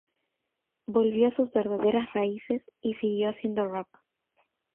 Volvió a sus verdaderas raíces y siguió haciendo rock.